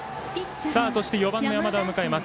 そして４番の山田を迎えます。